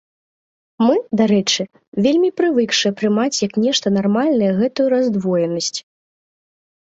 Мы, дарэчы, вельмі прывыкшыя прымаць як нешта нармальнае гэтую раздвоенасць.